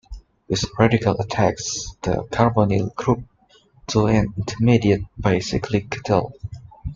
This radical attacks the carbonyl group to an intermediate bicyclic ketyl.